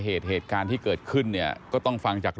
ดูคลิปกันก่อนนะครับแล้วเดี๋ยวมาเล่าให้ฟังนะครับ